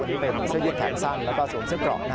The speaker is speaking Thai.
นี่เป็นเสื้อยืดแขนสั้นแล้วก็สวมเสื้อกรอก